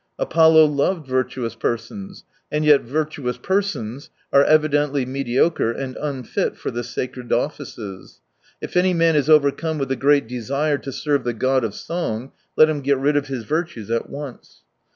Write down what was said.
Apollo loved virtuous persons — and yet virtuous persons are evidently medioere and unfit for the sacred offices. If any man is overcome with a great desire to serve the god of song^ let him get rid of his virtues at once.